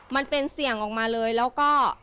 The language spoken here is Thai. มันเป็นเสี่ยงออกมาเลยแล้วก็